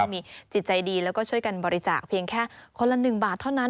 มีจิตใจดีแล้วก็ช่วยกันบริจาคเพียงแค่คนละ๑บาทเท่านั้น